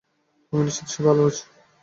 আমি নিশ্চিত সে ভালো আছে।